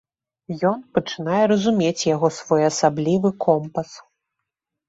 Ён пачынае разумець яго своеасаблівы компас.